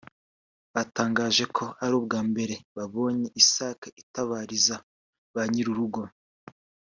batangaje ko ari ubwa mbere babonye isake itabariza ba nyir’urugo